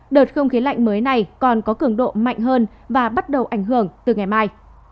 đợt không khí lạnh mới này còn có cường độ mạnh hơn và bắt đầu ảnh hưởng từ ngày mai